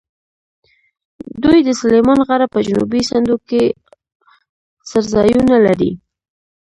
دوی د سلیمان غره په جنوبي څنډو کې څړځایونه لري.